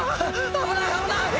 危ない危ない！